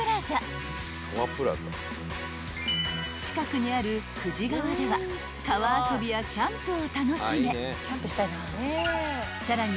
［近くにある久慈川では川遊びやキャンプを楽しめさらに